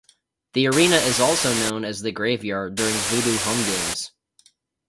The arena is also known as "The Graveyard" during Voodoo home games.